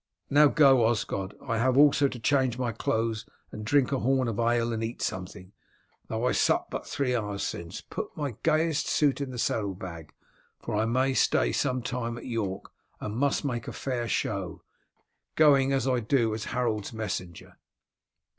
"Now go, Osgod, I have also to change my clothes and drink a horn of ale and eat something, though I supped but three hours since. Put my gayest suit into the saddle bag, for I may stay some time at York, and must make a fair show, going as I do as Harold's messenger."